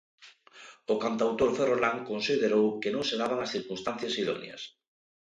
O cantautor ferrolán considerou que non se daban as circunstancias idóneas.